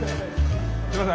すみません。